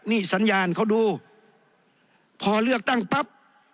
นี่สัญญาณเขาดูพอเลือกตั้งปั๊บ